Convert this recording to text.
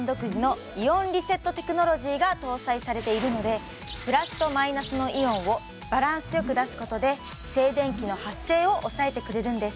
この時期が搭載されているのでプラスとマイナスのイオンをバランスよく出すことで静電気の発生を抑えてくれるんです